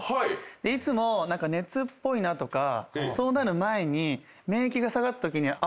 いつも熱っぽいなとかそうなる前に免疫が下がったときに。